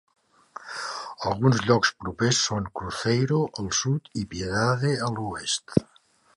Alguns llocs propers són Cruzeiro al sud i Piedade a l'oest.